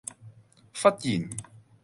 忽然